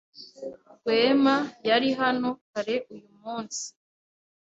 Rwema yari hano kare uyu munsi.